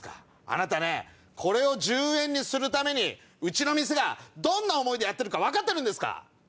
あなたねこれを１０円にするためにうちの店がどんな思いでやってるか分かってるんですか